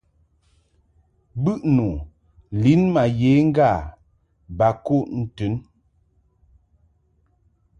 Bɨʼnu lin ma ye ŋga ba kuʼ ntɨn.